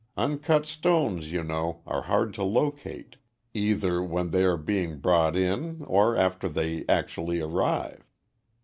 Uncut stones, you know, are hard to locate, either when they are being brought in or after they actually arrive.